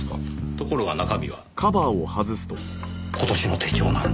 ところが中身は今年の手帳なんですよ。